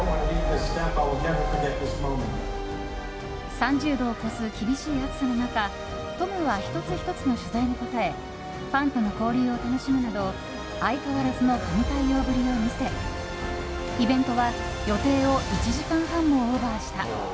３０度を超す厳しい暑さの中トムは１つ１つの取材に答えファンとの交流を楽しむなど相変わらずの神対応ぶりを見せイベントは予定を１時間半もオーバーした。